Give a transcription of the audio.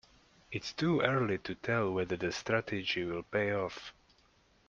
It's too early to tell whether the strategy will pay off.